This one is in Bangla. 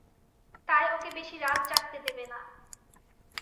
তাই, ওকে বেশি রাত জাগতে দেবে না।